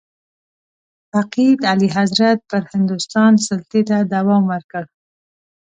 فقید اعلیحضرت پر هندوستان سلطې ته دوام ورکړ.